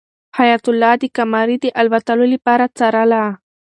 حیات الله د قمرۍ د الوتلو لاره څارله.